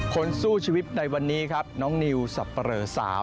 คนสู้ชีวิตในวันนี้ครับน้องนิวสับปะเหลอสาว